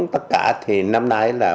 tất cả thì năm nay là